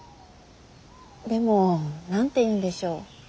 でも何て言うんでしょう。